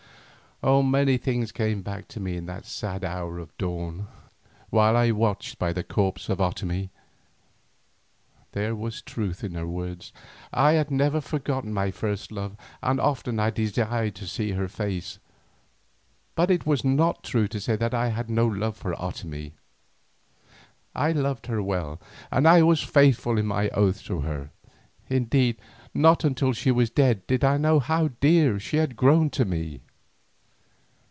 Many things came back to me in that sad hour of dawn while I watched by the corpse of Otomie. There was truth in her words, I had never forgotten my first love and often I desired to see her face. But it was not true to say that I had no love for Otomie. I loved her well and I was faithful in my oath to her, indeed, not until she was dead did I know how dear she had grown to me.